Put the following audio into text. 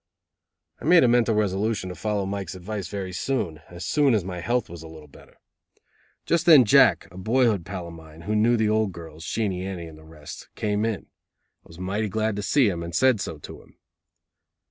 I made a mental resolution to follow Mike's advice very soon as soon as my health was a little better. Just then Jack, a boyhood pal of mine, who knew the old girls, Sheenie Annie and the rest, came in. I was mighty glad to see him, and said so to him.